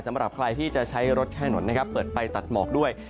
สำหรับใครที่จะใช้รถแข่งหนดเปิดไปตัดหมอกด้วย